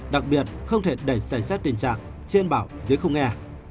đặc biệt không thể đẩy sảy sát tình trạng trên bảo dưới không nghe